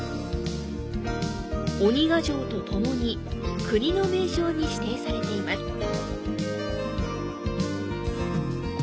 鬼ヶ城とともに国の名勝に指定されています。